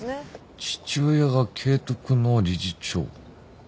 父親が慶徳の理事長。